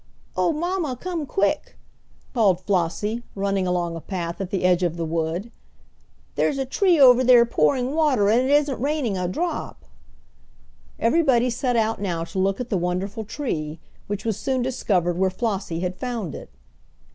"Oh, mamma, come quick!" called Flossie, running along a path at the edge of the wood. "There's a tree over there pouring water, and it isn't raining a drop!" Everybody set out now to look at the wonderful tree, which was soon discovered where Flossie had found it.